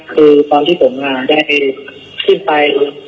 คือตอนที่ผมได้ขึ้นไป